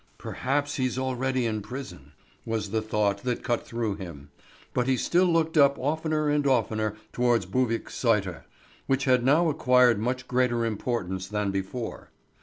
"Perhaps he's already in prison" was the thought that cut through him; but he still looked up oftener and oftener towards Buvik Sæter, which had now acquired much greater importance than before.